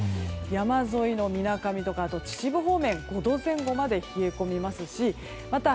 山沿いのみなかみとか秩父方面５度前後まで冷え込みますしまた